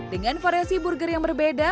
dengan variasi burger yang berbeda